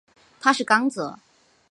他是刚铎。